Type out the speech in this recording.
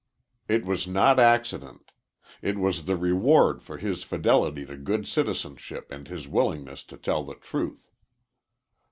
It was not accident. It was the reward for his fidelity to good citizenship and his willingness to tell the truth.